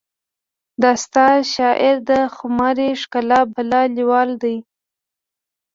د ستا شاعر د خماري ښکلا بلا لیوال دی